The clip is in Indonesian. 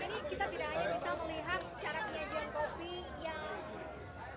tapi kalau ngopi sepuluh hewi ini kita tidak hanya bisa melihat cara penyediaan kopi yang